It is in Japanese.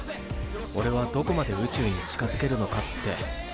おれはどこまで宇宙に近づけるのかって。